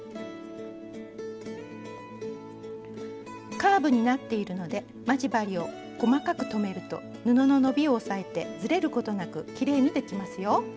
カーブになっているので待ち針を細かく留めると布の伸びを抑えてずれることなくきれいにできますよ。